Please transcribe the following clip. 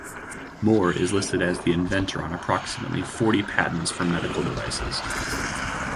Mohr is listed as the inventor on approximately forty patents for medical devices.